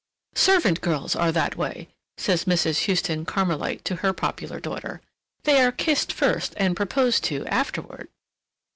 "Servant girls are that way," says Mrs. Huston Carmelite to her popular daughter. "They are kissed first and proposed to afterward."